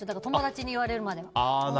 友達に言われるまで。